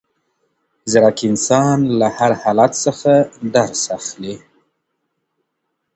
ځیرک انسان له هر حالت څخه درس اخلي.